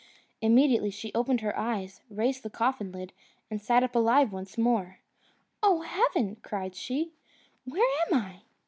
Immediately she opened her eyes, raised the coffin lid, and sat up alive once more. "Oh, heaven!" cried she, "where am I?"